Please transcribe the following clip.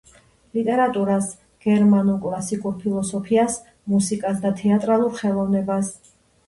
კარგად იცნობდა დასავლეთ ევროპულ ლიტერატურას, გერმანულ კლასიკურ ფილოსოფიას, მუსიკას და თეატრალურ ხელოვნებას.